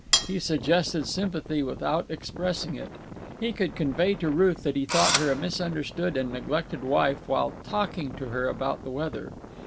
He suggested sympathy without expressing it. He could convey to Ruth that he thought her a misunderstood and neglected wife while talking to her about the weather.